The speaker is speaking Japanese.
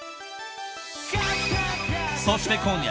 ［そして今夜］